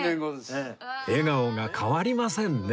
笑顔が変わりませんね